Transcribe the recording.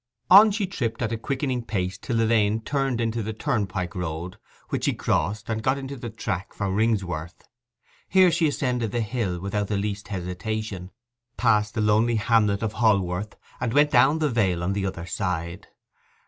On she tripped at a quickening pace till the lane turned into the turnpike road, which she crossed, and got into the track for Ringsworth. Here she ascended the hill without the least hesitation, passed the lonely hamlet of Holworth, and went down the vale on the other side.